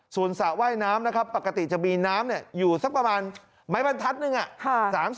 ส่วนสระว่ายน้ำนะครับปกติจะมีน้ำอยู่สักประมาณไม้บรรทัศนึง